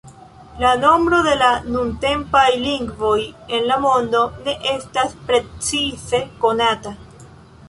La nombro de nuntempaj lingvoj en la mondo ne estas precize konata.